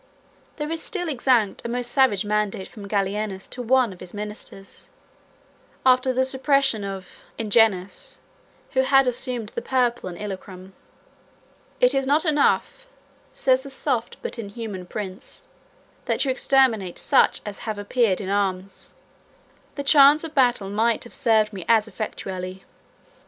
There is still extant a most savage mandate from Gallienus to one of his ministers, after the suppression of Ingenuus, who had assumed the purple in Illyricum. "It is not enough," says that soft but inhuman prince, "that you exterminate such as have appeared in arms; the chance of battle might have served me as effectually.